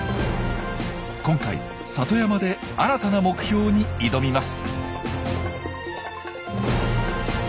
今回里山で新たな目標に挑みます。